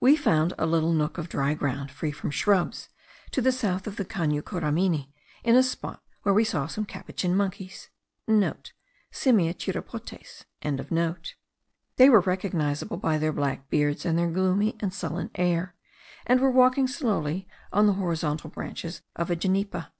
We found a little nook of dry ground, free from shrubs, to the south of the Cano Curamuni, in a spot where we saw some capuchin monkeys.* (* Simia chiropotes.) They were recognizable by their black beards and their gloomy and sullen air, and were walking slowly on the horizontal branches of a genipa.